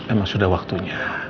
emang sudah waktunya